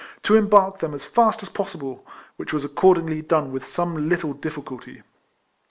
258 RECOLLECTIONS OF embark them as fast as possible, which was accordingly done with some little difficulty.